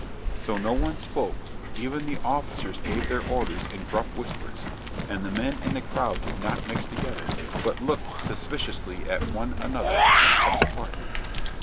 So no one spoke; even the officers gave their orders in gruff whispers, and the men in the crowd did not mix together, but looked suspiciously at one another and kept apart.